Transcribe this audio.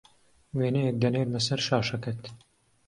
وێنەیەک دەنێرمه سەر شاشەکەت